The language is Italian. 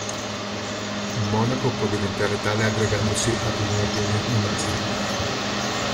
Un monaco può diventare tale aggregandosi ad un ordine monastico.